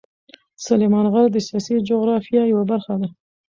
سلیمان غر د سیاسي جغرافیه یوه برخه ده.